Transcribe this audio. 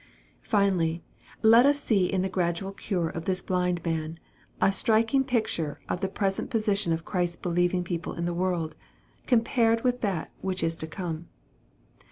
Finally, let us see in the gradual cure of this blind MARK, CHAP. VIII. 163 man, a striking picture of the present position of Christ's believing people in the world, compared with that which is to come.